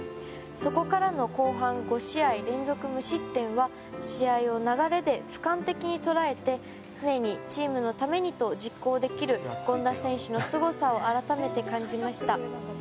そこからの後半５試合連続無失点は試合を流れで俯瞰的に捉えて常にチームのためにと実行できる権田選手のすごさを改めて感じました。